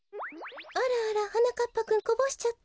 あらあらはなかっぱくんこぼしちゃった？